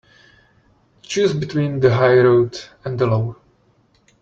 Choose between the high road and the low.